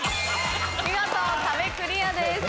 見事壁クリアです。